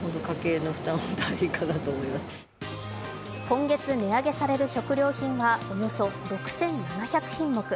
今月、値上げされる食料品はおよそ６７００品目。